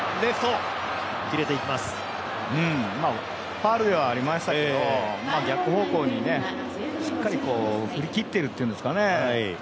ファウルではありましたけど逆方向にしっかり振り切っているというんですかね。